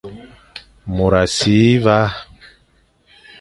Môr a si va,